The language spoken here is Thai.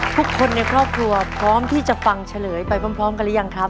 ทุกคนในครอบครัวพร้อมที่จะฟังเฉลยไปพร้อมกันหรือยังครับ